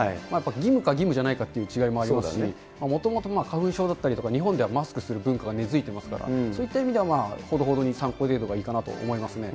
義務か義務じゃないかという違いもありますし、もともと花粉症だったりとか、日本ではマスクする文化が根付いてますから、そういった意味ではほどほどに参考程度がいいかなと思いますね。